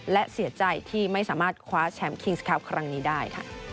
และเสียใจที่ไม่สามารถคว้าแชมป์คิงส์ครับครั้งนี้ได้ค่ะ